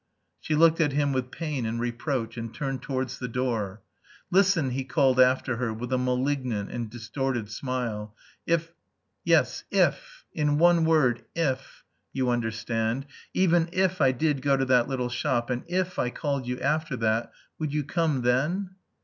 She looked at him with pain and reproach, and turned towards the door. "Listen," he called after her, with a malignant and distorted smile. "If... Yes, if, in one word, if... you understand, even if I did go to that little shop, and if I called you after that would you come then?"